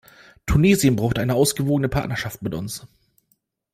Tunesien braucht eine ausgewogene Partnerschaft mit uns.